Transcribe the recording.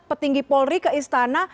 petinggi polri ke istana